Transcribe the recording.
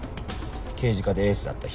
刑事課でエースだった人。